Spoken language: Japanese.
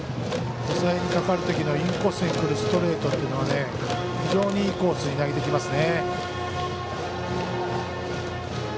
抑えにかかるときのインコースにくるストレートというのは非常にいいコースに投げてきますね。